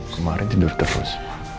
kemarin tidur terus